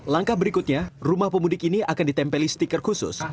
langkah berikutnya rumah pemudik ini akan ditempeli stiker khusus